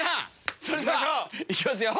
それでは行きますよ。